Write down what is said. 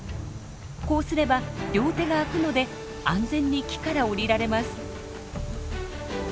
こうすれば両手が空くので安全に木から下りられます。